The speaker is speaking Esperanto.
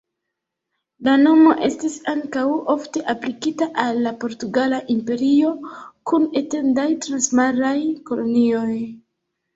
La nomo estis ankaŭ ofte aplikita al la Portugala Imperio, kun etendaj transmaraj kolonioj.